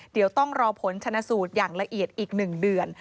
เดี๋ยวต้องรอผลชนะสูตรอย่างละเอียดอีก๑เดือน